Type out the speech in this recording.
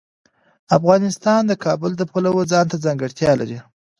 افغانستان د کابل د پلوه ځانته ځانګړتیا لري.